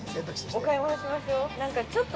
◆お買い物しましょう。